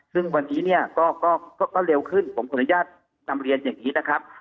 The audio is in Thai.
ซึ่งวันนี้เนี่ยก็เร็วขึ้นผมขออนุญาตนำเรียนอย่างนี้นะครับ